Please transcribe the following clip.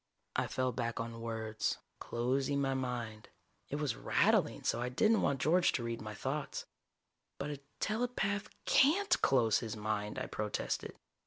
_ I fell back on words, closing my mind it was rattling so I didn't want George to read my thoughts: "But a telepath can't close his mind!" I protested.